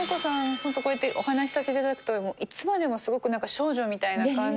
ほんとこうやってお話しさせていただくといつまでもすごく少女みたいな感じ。